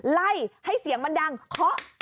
ไล่ให้เสียงมันดังเคาะ